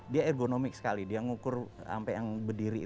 dia ergonomik sekali dia ngukur sampai yang berdiri